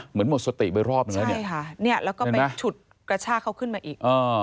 เหมือนหมดสติไปรอบแล้วเนี่ยใช่ค่ะแล้วก็ไปฉุดกระชากเขาขึ้นมาอีก